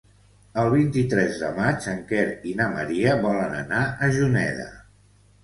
El vint-i-tres de maig en Quer i na Maria volen anar a Juneda.